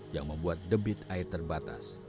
yang membuat debit air terbatas